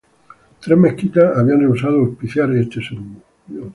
Tres mezquitas habían rehusado auspiciar este sermón.